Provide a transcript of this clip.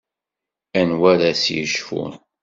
Anwa ara s-yecfun?